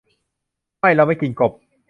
ไม่ เราไม่กินกบ